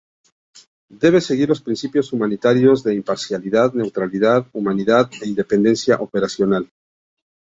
Debe seguir los principios humanitarios de imparcialidad, neutralidad, humanidad e independencia operacional.